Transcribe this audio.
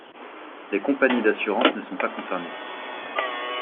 Les compagnies d'assurance ne sont pas concernées.